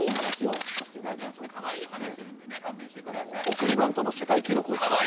送りバントの世界記録を作った。